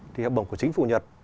thì học bổng của chính phủ nhật